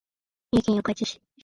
三重県四日市市